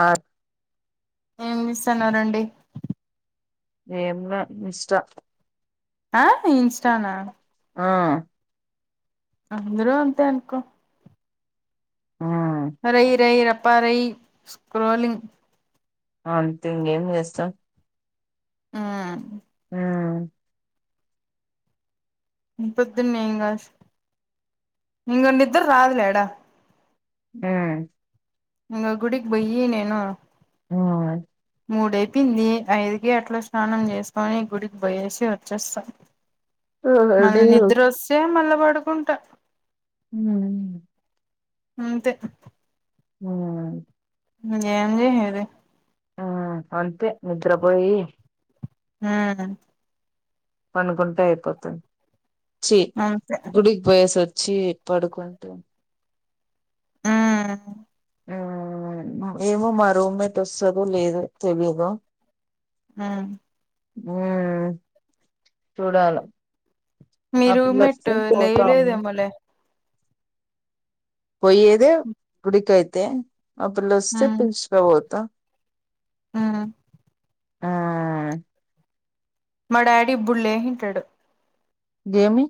ఆ ఏం చేస్తన్నారంండి? ఏంలా ఇష్ట ఆ ఇన్స్టానా ఆ అంద్రూ అంతే అనుకో ఆ రై రై రపా రై స్క్రోలింగ్ అంతే ఇంగేం చేస్తాం ఆ ఆహ్ పొద్దున్నెంగాస్ ఇంగ నిద్ద్ర రాదులేడా? ఉహ్ ఇంగ గుడికి బోయ్యీ నేను. ఓహా మూడైపోంది. ఐదుకి అట్ల స్నానం చేసుకొని, గుడికి బోయేసి వచ్చేస్తాన్ మళ్ళీ నిద్ర వస్తే మళ్ళా పడుకుంటా ఉమ్ అలానే ఇగ అంతే ఉమ్ ఏంజ హది ఆ అంతే నిద్రపోయి ఉమ్ పనుకుంటే అయిపోతాంది చీ అంతే గుడికి పోయ స వచ్చి పడుకుంటే ఆ ఆ ఏమో మా రూమ్మేట్ వస్తుదో లేద తెలియదు ఆ ఉమ్ చూడాల మీ ఆ పిల్ల రూమ్మేట్ వస్తే పోతాము లేయలేదేమోలే పోయ్యేదే గుడికైతే ఆ పిల్ల వస్తే మ్మ్ పీల్చకపోత మ్మ్ ఆ మా డాడీ బుళ్లేే ఇంటాడు గేమి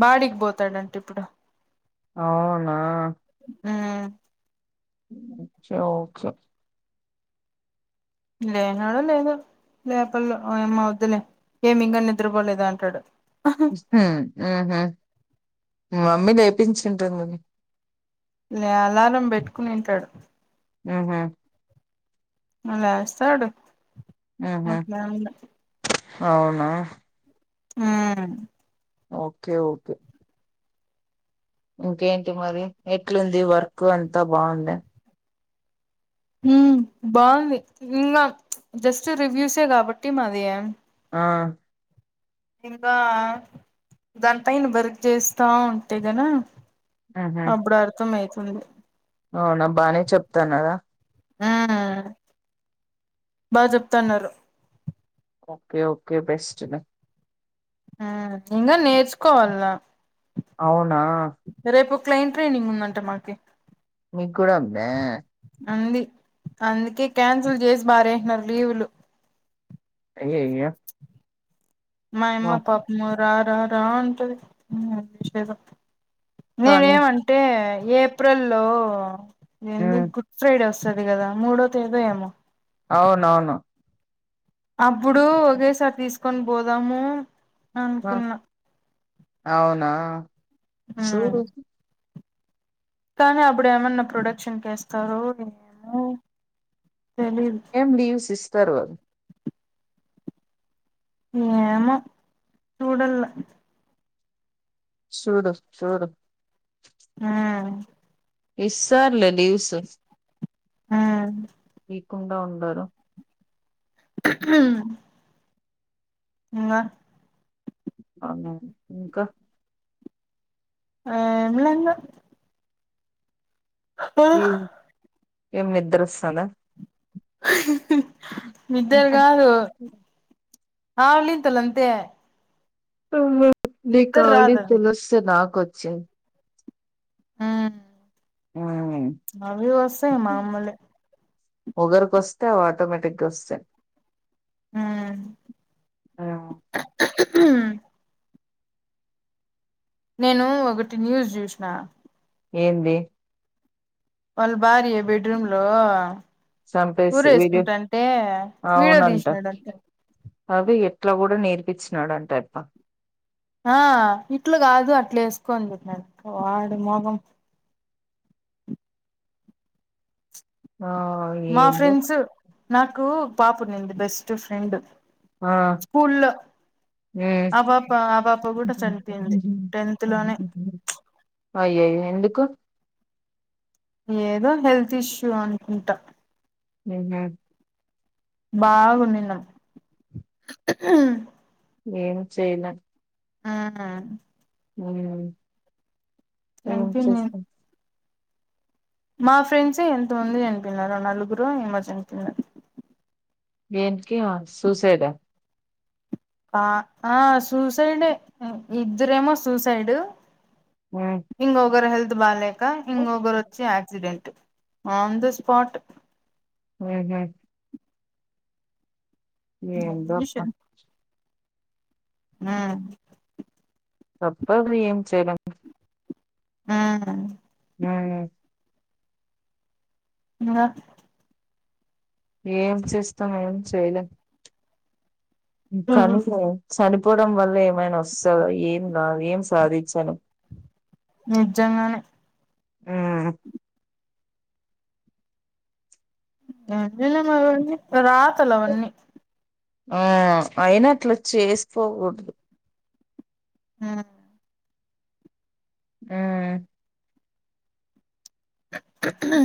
బాడికి పోతాడంటే ఇప్పుడు అవునా ఆ ఓకే లేనడ లేధో లేపల్లో ఏమ వద్దులే ఏమి ఇంకా నిద్రపోలేద అంటాడు ఆ మమ్మీ లేపించింటుంది లే అలారం పెట్టుకునింటాడు ఉహ్మ్ లేస్తాడు ఊహూ బట్ లేవల అవునా ఆ ఓకే ఓకే ఇంకేంటి మరి ఎట్లుంది వర్క్ అంతా బాగుంధా ఉమ్ బాగుంది ఇంకా జస్ట్ రివ్యూసే కాబట్టి మాది ఆ ఇంకా దానిపైన వర్క్ చేస్తా ఉంటే కదా ఉహ్మ్ అవునా బానే చెప్తున్నారా ఆ బాగా చెప్తున్నారు ఓకే ఓకే బెస్ట్ ఆ ఇంకా నేర్చుకోవాలన్నా అవునా రేపు క్లెయిన్ ట్రైనింగ్ ఉందంట మాకి మీకు కూడా ఉందా అంది అందుకే క్యాన్సిల్ చేసి భారేసినన్నారు లీవులు అయ్యాయో మా అమ్మ పాపము రా రా రా అంటది నేనే కానీ ఏమంటే ఏప్రిల్ లో హ్మ్ గుడ్ ఫ్రైడే వస్తు వసది కదా మూడో తేదీ ఏమో అవునవును అప్పుడు ఒకేసారి తీసుకొని పోదాము ఆ అనుకున్నా అవునా చూ ఉమ్ కానీ అప్పుడు ఏమన్నా ప్రొడక్షన్కి వేస్తారు ఏమో తెలీదు ఎమ్ లీవ్ సిస్టర్వల్ ఏమో చూడాల్ల చూడు చూడు ఆ ఇస్తార్లే లీవ్స్ హా యికుండా ఉండరు హ ఇంగా అవునా, ఇంక ఏం లేంగ ఏమి ఏం నిద్దరోస్తాంద నిద్దర గాదు ఆవలింతలంతే అది నీకావలింతలొస్తే నాకొచ్చిన్ది. ఉమ్ అవి వస్తయ్ మాములే ఒగరికొస్తే అవ్వటోమేటిక్గస్తయి. ఉమ్ ఉమ్ హ్మ్ నేను ఒకటి న్యూస్ జూసిన ఏంది వాళ్ళ భార్య బబెడ్ రూమ్ లో చంపేసి వీడియో ఊరేసుకుంటాంటే వీడియో అవునంట తీసినాడంట అది ఎట్ అట్ల గూడ నేర్పిచ్చినాడంట ఆయబ్బ ఆ ఇట్ల గాదు అట్లేసుకో అని చెప్పినాడంట వాడి మోగం ఆ మా ఏందో ఫ్రెండ్స్ నాకూ పాపనుంది బెస్ట్ ఫ్రెండ్ ఆ స్కూళ్లో ఆ పాప ఆ పాప గూడ చనిపోయింది టెన్త్ లోనే అయ్యయ్యో ఎందుకు ఏదో హెల్త్ ఇష్యూ అనుకుంటా ఉమ్ హ్ బాగుండిందన్ ఏం చేయలేమ్ ఉమ్ ఉమ్ చనిపోయింది మేమొచ్చేస్తాం మా ఫ్రెండ్సే ఎంత ముంది చనిపోయినారు నలుగురో ఏమో చనిపోయినారు. దేనికి ఆ సూసైడ ఆ ఆ సూసైడే ఇద్దరేమో సూసైడు హ్మ్ ఇంగొగరు హెల్త్ బాలేక, ఉహూ ఇంగొగరోచ్చి యాక్సిడెంట్ ట్ ఆన్ ద స్పాట్ ఉమ్ హ్ ఏందో అబ్బ ఆ తప్పదు ఏం చేయలేం ఆ ఉమ్ ఇంగా ఏం చేస్తమ్, ఏం చేయలేం కనీ చనిపోవడం వల్ల ఏమైనొస్తదా? ఏం రాదు ఏం సాధించలేం నిజంగానే ఆ ఎ మ రాతలవన్నీ ఆ అయిన అట్ల చేసికోకూడదు ఆా ఆ ఆ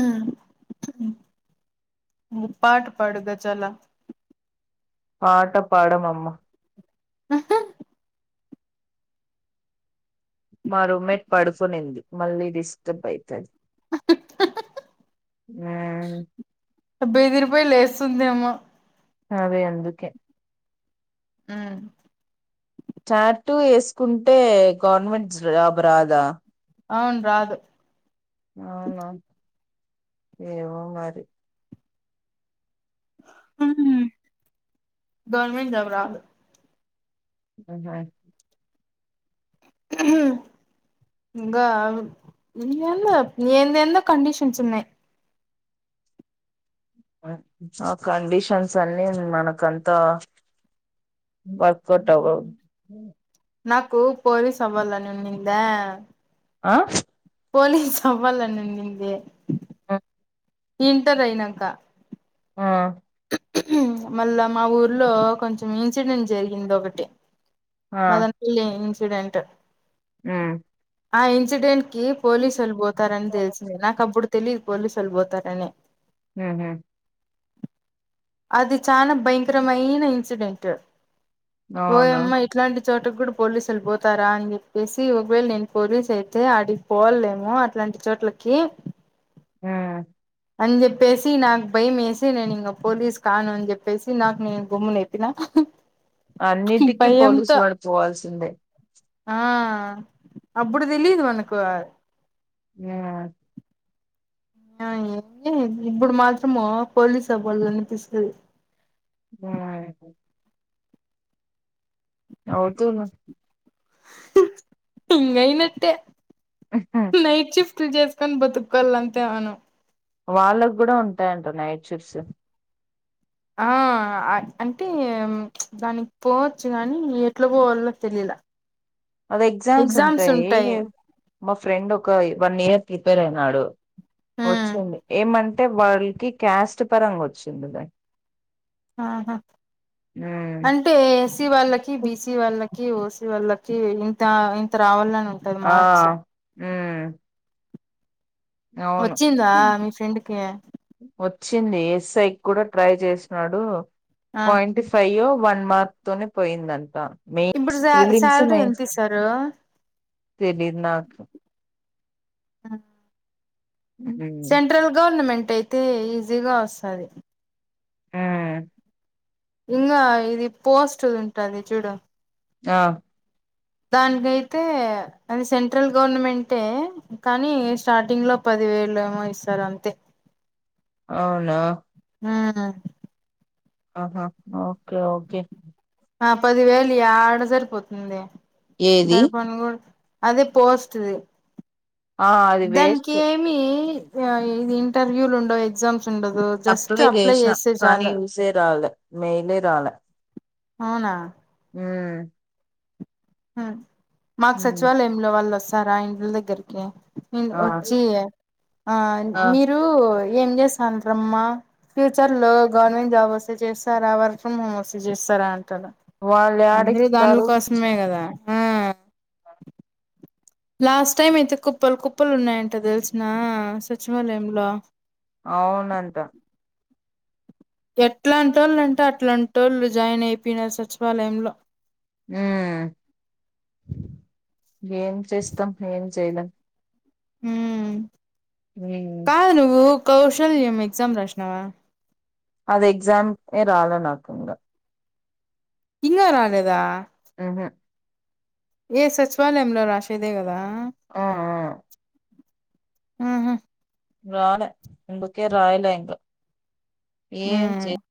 ము పాటు పడుగా చలా పాట పాడం అమ్మా మా రూమ్మేట్ పడుకునింది మళ్ళీ డిస్టర్బ్ అవుతుంది ఆ డెబ్బై ఐదు రూపాయలు లేస్తుంద అమ్మా అదే అందుకే అ చాట్ వేసుకుంటే గవర్నమెెంట్ జాబ్ రాదా అవును రాదు అలా ఏవో మరి గర్మ జబ రాదు [inaudible] హ ఇంకా ఎంత ఎ ఎంత కండిషన్స్ ఉన్నాయి్ ఆ కండిషన్స్ అన్ని మనకంతా వర్క్ ఔట్ అవ్వవు నాకుపోరి సవల్ళ నున్నంద ఆ పోనీ చవ్వాల నండి నిందిే ఆ ఇంటర్ అయినాక ఆ మళ్ళా మా ఊర్లో కొంచెం ఇన్సిడెంట్ జరిగింది ఒకటి మదనలి ఇన్సిడెంట్ ఆ ఆ ఇన్సిడెంట్ కి పోలీసు వాళ్ళిపోతారని తెలిసిందే నాకు అప్పుడు తెలియదు పోలీసుళ్ళిపోతారనే హ అది చాలా భయంకరమైన ఇన్సిడెంట్ అవును పోయమ్మా ఇట్లాంటి చోటకి కూడా పోలీసులు పోతారా అని చెప్పేసి ఒకవేళ నేను పోలీసు అయితే అడికి పోవాలలేముో అట్లా అంటి చోట్లకి ఉమ్ అంజ పేసి నాకు భైమ వేసి నను పోలీస్ కానుం అప్పేసి నాకు నను గుమ్ము న ఎప్పిన అన్నిటికీ పోలీసు పడిపోవాల్సిందే ఆ అప్పుడు తెలియదు అనకు ఆ ఆ ఏమి ఇప్పుడు మాత్రము పోలీస్ స వాడులన్న తీసుకుది ఆ వుతు ఇకాయినట్టే నైట్ షిఫట్ బట్లు చేసుకొని బతుకుకాల అంతే అనం వాళ్ళకి కూడా ఉంటాయంట నైట్ చిప్స్ ఆ అంటే దానికి పోవచ్చు కాగానీ ఎట్లా పోవాలో తెలియదు [inaudible] అది ఎగ్జామ్స్ ఉంటాయి మా ఫ్రెండ్ ఒక వన్ ఇయర్ ప్రిపేర్ అయినాడు ఉమ్ వచ్చింది ఏమంటే వాళ్ల్డ్ కి క్యాస్ట్ పరంగా వచ్చిందిదడి ఆహా అంటే ఎస్సిీ వాళ్ళకి ఉమ్ బిసి వాళ్ళకి ఓ వాళ్ళకి ఇంత ఇంత్రావాలని. ఆ ఊమ్మ్. అవును. వచ్చిందా మీ ఫ్రెండ్ కి వచ్చింది ఎస్ఐ కూడా ట్రై చేసినడు, ఆ పాయిట్ ఫైయొ. వన్ మార్త్ తోనే పోయిందంటా ఇప్పుడు మెయిన్స్, శా ఫ్రిలిమ్స్, శాలరీ ఎంత మెయిన్స్‌. ఇస్తారు తెలిదు నాకు. ఆ. ఉమ్ ఉమ్, సెంట్రల్ గవర్నమెంట్ అయితే ఈజీగా వస్సది. ఊహ్మ్. ఇంగా ఇది పోస్టుదుంటది చూడు. న్హా. దాన్కైతే అది సెంట్రల్ గవర్నమెంటే, కానీ స్టార్టింగ్ లో పది. ది వేళెమో ఇస్తారంతే. అవునా. ఆ. ఆహా, ఓకే ఓకే. ఆ పదివేలు యాడ సరిపోతుంది, ఏది సరిపోన్ గూడా. అదే పోస్ట్ ది., ఆ అది వేస్ట్ దాన్కెమి. ఇగా ఇది ఇంటర్వ్యూలు ఉండవ్ ఎగ్జామ్స్. ఉండదు జస్ట్ అప్లై జేసినా చేస్తే కానీ చాలు యూసే రాలె మెయిలే రాలే. అవునా. ఊమ్మ్. హ్మ్ మాకు ఉమ్ సచివాలయంలో వాళ్ళస్తారా ఇండ్ల దగ్గరికి. ఊ ఆ వచ్చి, ఆ ఆ మీరు. ఏం జేస్తాంట్రమ్మా ఫ్యూచర్ లో గవర్నమెంట్ జాబ్ వస్తే చేస్తారా, వర్క్ ఫ్రమ్ హోమ్ వస్తే జెస్తారా అంట. వాళ్ళు అందరూ దాండ్ల యాడిస్తారు కోసమే గదా. లాస్ట్ టైమ్ అయితే కుప్పలు కుప్పలున్నాయంట దెల్సునా సచివాలయంలో. అవునంట. ఎట్లాంటోళ్లంటే అట్లాంటోళ్లు జాయిన్ అయిపోయినారు సచివాలయంలో. ఊహ్మ్మ్, ఏం చేస్తాం ఏం చేయలేం. హ్మ్. ఊమ్మ్. కౌశల్యం ఎగ్జామ్ రాస్నావా. అదెగ్జామ్ ఏ రాలే నాకుంగా. ఇంగా రాలేదా. ఊహు. ఏ సచివాలయంలో రాసేదే గదా. ఆఁ ఆ. ఆహా. రాలే. అందుకే రాయలే ఇంగా ఏం ఉమ్ చేయ్.